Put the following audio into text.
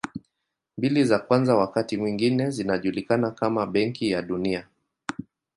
Mbili za kwanza wakati mwingine zinajulikana kama Benki ya Dunia.